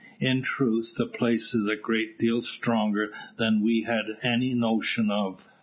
In truth, the place is a great deal stronger than we had any notion of.